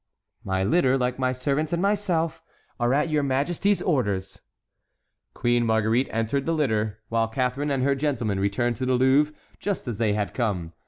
"My litter, like my servants and myself, are at your majesty's orders." Queen Marguerite entered the litter, while Catharine and her gentlemen returned to the Louvre just as they had come.